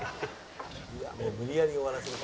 「もう無理やり終わらせる」